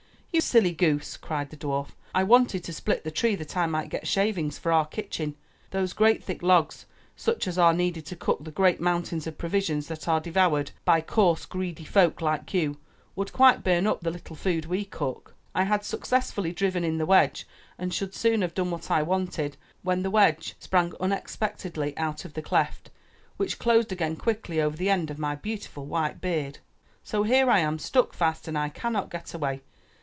"You silly goose," cried the dwarf, "I wanted to split the tree that I might get shavings for our kitchen. Those great thick logs such as are needed to cook the great moun tains of provisions that are devoured by coarse, greedy folk 40 UP ONE PAIR OF STAIRS like you, would quite burn up the little food we cook. I had successfully driven in the wedge and should soon have done what I wanted, when the wedge sprang unexpectedly out of the cleft, which closed again quickly over the end of my beautiful white beard. So here I am stuck fast and I cannot get away.